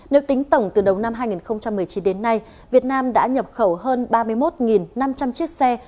nếu tính tổng từ đầu năm hai nghìn một mươi chín đến nay việt nam đã nhập khẩu hơn ba mươi một năm trăm linh chiếc xe